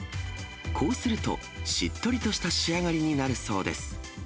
こうすると、しっとりとした仕上がりになるそうです。